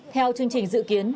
theo chương trình dự kiến